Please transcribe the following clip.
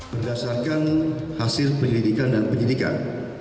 berdasarkan hasil penyelidikan dan penyidikan